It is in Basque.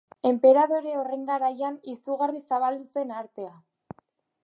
Enperadore horren garaian izugarri zabaldu zen artea.